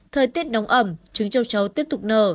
thời tiết nóng ẩm trứng châu chấu tiếp tục nở